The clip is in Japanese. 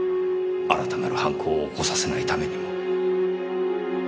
新たなる犯行を起こさせないためにも。